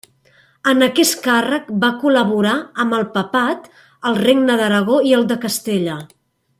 En aquest càrrec va col·laborar amb el papat, el Regne d'Aragó i el de Castella.